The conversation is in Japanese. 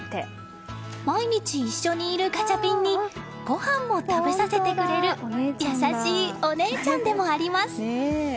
毎日一緒にいるガチャピンにごはんを食べさせてくれる優しいお姉ちゃんでもあります。